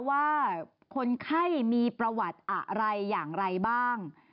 ว่าคนไข้มีประวัติอะไรอย่างไรบ้าง